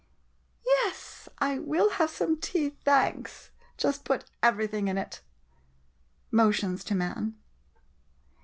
] Yes, I will have some tea, thanks. Just put everything in it! [Motions to man.